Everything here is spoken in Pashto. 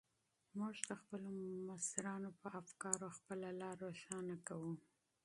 موږ د خپلو مشرانو په افکارو خپله لاره روښانه کوو.